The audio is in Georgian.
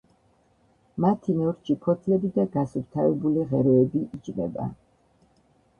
მათი ნორჩი ფოთლები და გასუფთავებული ღეროები იჭმება.